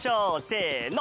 せの。